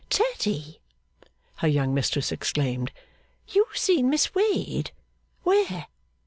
'Tatty!' her young mistress exclaimed. 'You seen Miss Wade? where?